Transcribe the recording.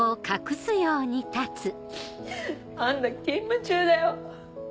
あんた勤務中だよ。